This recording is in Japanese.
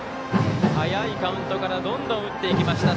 早いカウントからどんどん打っていきました。